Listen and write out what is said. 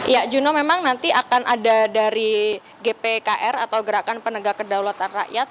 ya juno memang nanti akan ada dari gpkr atau gerakan penegak kedaulatan rakyat